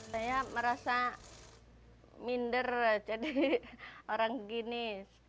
saya merasa minder jadi orang gini